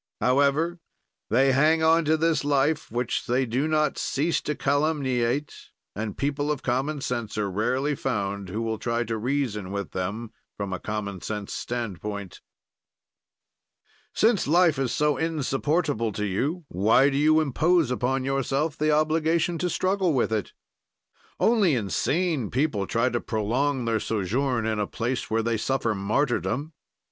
"However, they hang on to this life which they do not cease to calumniate, and people of common sense are rarely found who will try to reason with them from a common sense standpoint: "'Since life is so insupportable to you, why do you impose upon yourself the obligation to struggle with it? "'Only insane people try to prolong their sojourn in a place where they suffer martyrdom.'